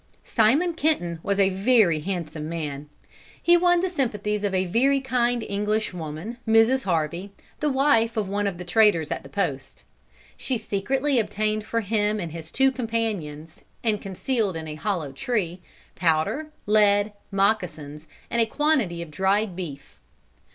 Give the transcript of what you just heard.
Simon Kenton was a very handsome man. He won the sympathies of a very kind English woman, Mrs. Harvey, the wife of one of the traders at the post. She secretly obtained for him and his two companions, and concealed in a hollow tree, powder, lead, moccasins, and a quantity of dried beef.